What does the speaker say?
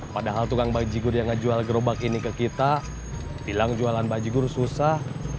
padahal tukang baji gur yang ngejual gerobak ini ke kita bilang jualan baji gur susah